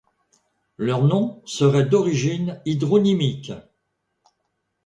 Leur nom serait d'origine hydronymique.